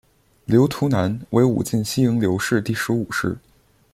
刘图南为武进西营刘氏第十五世。